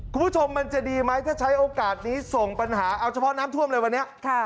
คุณผู้ชมมันจะดีไหมถ้าใช้โอกาสนี้ส่งปัญหาเอาเฉพาะน้ำท่วมเลยวันนี้